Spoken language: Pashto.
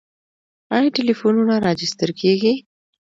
آیا ټلیفونونه راجستر کیږي؟